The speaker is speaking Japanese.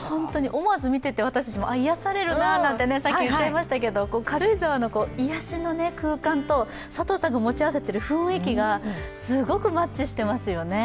思わず見てて、私たちも癒されるなんて、さっき言っちゃいましたけど、軽井沢の癒やしの空間と佐藤の持ち合わせている雰囲気がすごくマッチしていますよね。